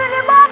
udah deh mbak